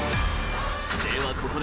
［ではここで］